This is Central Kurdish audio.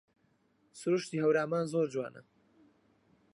سرووشتی هەورامان زۆر جوانە